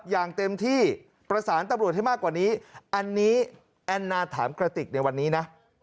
อย่างเต็มที่ประสานตำรวจให้มากกว่านี้อันนี้แอนนาถามกระติกในวันนี้นะ